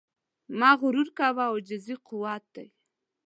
مه غرور کوه، عاجزي قوت دی.